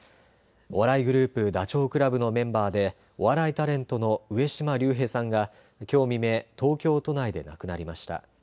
お笑いグループ、ダチョウ倶楽部のメンバーでお笑いタレントの上島竜兵さんがきょう未明、東京都内で亡くなりました。